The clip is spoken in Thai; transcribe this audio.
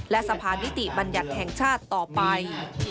และสะพานิติบัญญัติแห่งชาติต่อไป